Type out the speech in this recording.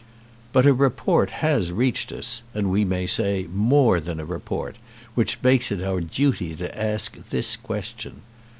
"But a report has reached us, and we may say more than a report, which makes it our duty to ask this question.